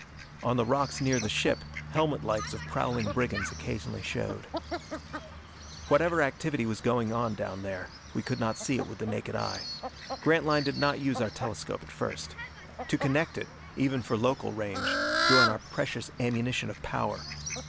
On the rocks near the ship, helmet lights of prowling brigands occasionally showed. Whatever activity was going on down there we could not see with the naked eye. Grantline did not use our telescope at first. To connect it, even for local range, drew on our precious ammunition of power.